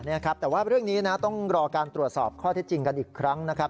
นะครับแต่ว่าเรื่องนี้นะต้องรอการตรวจสอบข้อเท็จจริงกันอีกครั้งนะครับ